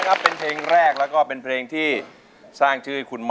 กินแล้วแบบโอ้มันแซ่บมากกว่า